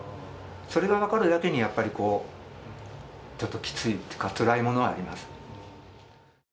それが分かるだけに、やっぱりちょっときついというか、つらいものはあります。